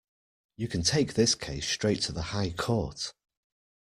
You can take this case straight to the High Court.